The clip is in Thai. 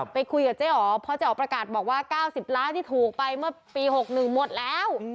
ไปคุยกับเจ๊อ๋อเพราะเจ๊อ๋อประกาศบอกว่า๙๐ล้านที่ถูกไปเมื่อปี๖๑หมดแล้ว